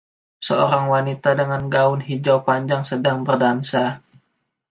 Seorang wanita dengan gaun hijau panjang sedang berdansa.